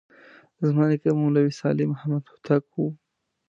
زما نیکه مولوي صالح محمد هوتک و.